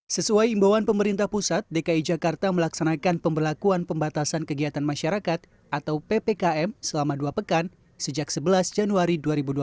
sesuai imbauan pemerintah pusat dki jakarta melaksanakan pemberlakuan pembatasan kegiatan masyarakat atau ppkm selama dua pekan sejak sebelas januari dua ribu dua puluh